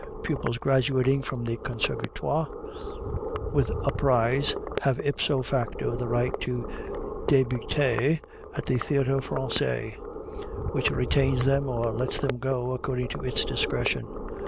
Pupils graduating from the Conservatoire with a prize have ipso facto the right to débuter at the Théâtre Français, which retains them or lets them go, according to its discretion.